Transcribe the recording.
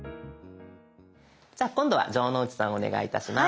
じゃあ今度は城之内さんお願いいたします。